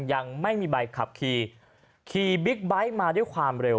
ยังไม่มีใบขับขี่ขี่บิ๊กไบท์มาด้วยความเร็ว